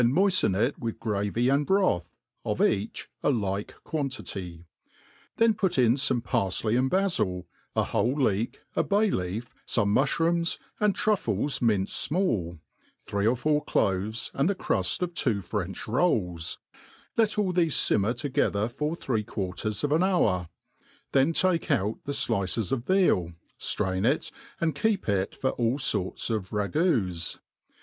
nioiiien it with gravy ^nd broth, of each a like quantity; then put in (bme parfley and bafil, a whole leek, a bay leaf, fome inuflirooms and trufi}es minced fmall, three or four cloves, and the cruft of two French rolls : fet all thefe fimmer together for three quarters of ai^ hour ; then take out the flices of veal, flrain it, and Iceep it for all forts of ragbos.